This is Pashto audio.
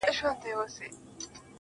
وځان ته بله زنده گي پيدا كړه,